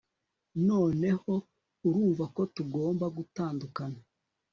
noneho uravuga ko tugomba gutandukana